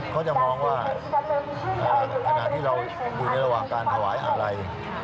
เขาจะมองว่าขณะที่เราอยู่ในระหว่างการถวายอะไร